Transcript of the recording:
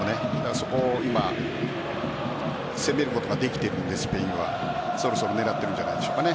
そこを攻めることができているのでスペインはそろそろ狙ってるんじゃないでしょうかね。